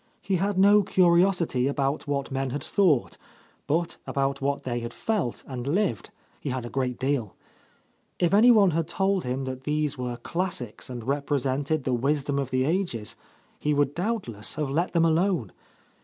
He had no curiosity about what men had thought ; but about what they had felt and lived, he had a great deal. If anyone had told him that these were classics and represented the wisdom of the ages, he would doubtless have let them alone.